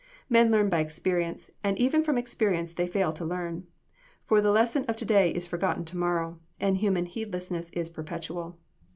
Men learn by experience, and even from experience they fail to learn; for the lesson of to day is forgotten to morrow: and human heedlessness is perpetual.